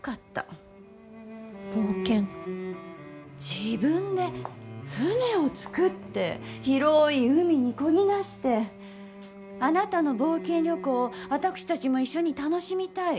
自分で舟を作って広い海にこぎ出してあなたの冒険旅行を私たちも一緒に楽しみたい。